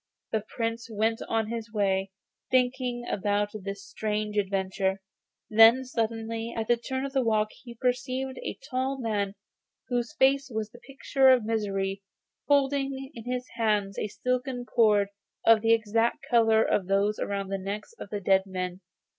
The Prince went on his way, thinking about this strange adventure, when suddenly at the turn of the walk he perceived a tall man whose face was the picture of misery, holding in his hands a silken cord of the exact colour of those round the necks of the dead men.